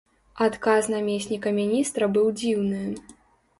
Адказ намесніка міністра быў дзіўны.